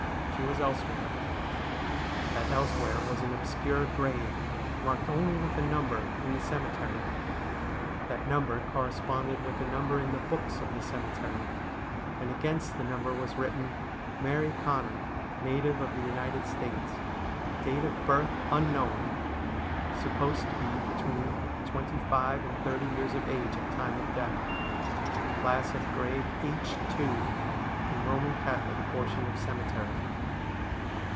She was elsewhere. That elsewhere was an obscure grave, marked only with a number, in the cemetery. That number corresponded with a number in the books of the cemetery, and against the number was written, ' Mary Connor, native of the United States. Date of birth unknown. Supposed to be between twenty five and thirty years of age at time of death. Class of grave H2, in Eoman Catholic portion of cemetery.'